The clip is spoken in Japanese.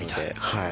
はい。